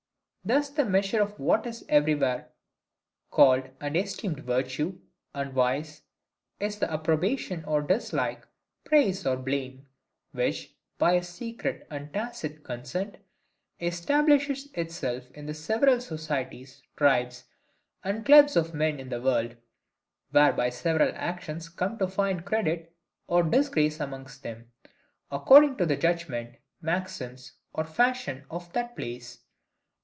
Thus the measure of what is everywhere called and esteemed virtue and vice is this approbation or dislike, praise or blame, which, by a secret and tacit consent, establishes itself in the several societies, tribes, and clubs of men in the world: whereby several actions come to find credit or disgrace amongst them, according to the judgment, maxims, or fashion of that place.